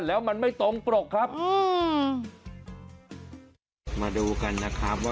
แล้วมันไม่ตรงปกครับ